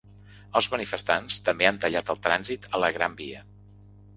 Els manifestants també han tallat el trànsit a la Gran Via.